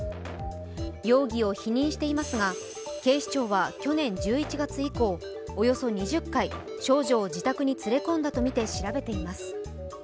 容疑を否認していますが、警視庁は去年１１月以降、およそ２０回、少女を自宅に連れ込んだとみて調べています。